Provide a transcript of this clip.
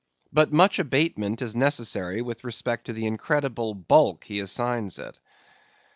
But much abatement is necessary with respect to the incredible bulk he assigns it.